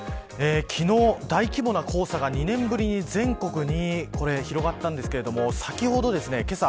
昨日、大規模な黄砂が２年ぶりに全国に広がったんですけど先ほど、けさ